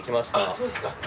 そうですか。